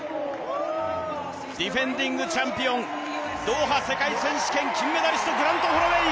ディフェンディングチャンピオン、ドーハ世界選手権金メダリスト、グラント・ホロウェイ。